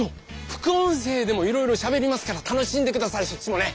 副音声でもいろいろしゃべりますから楽しんでくださいそっちもね。